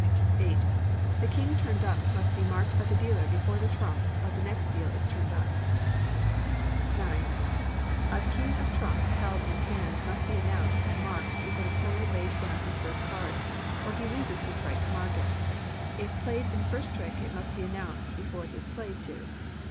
viii. The king turned up must be marked by the dealer before the trump of the next deal is turned up. ix. A king of trumps held in hand must be announced and marked before the player lays down his first card, or he loses his right to mark it. If played in the first trick, it must be announced before it is played to.